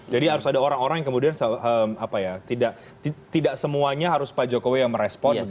jadi harus ada orang orang yang kemudian apa ya tidak semuanya harus pak jokowi yang merespon